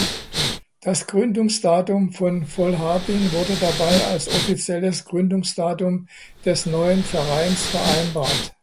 Das Gründungsdatum von Volharding wurde dabei als offizielles Gründungsdatum des neuen Vereins vereinbart.